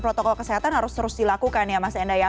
protokol kesehatan harus terus dilakukan ya mas enda ya